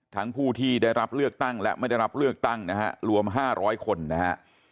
ผู้ที่ได้รับเลือกตั้งและไม่ได้รับเลือกตั้งนะฮะรวม๕๐๐คนนะฮะ